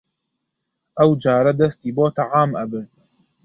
ئەوجارە دەستی بۆ تەعام ئەبرد